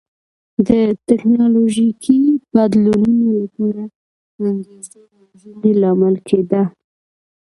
د ټکنالوژیکي بدلونونو لپاره انګېزې وژنې لامل کېده.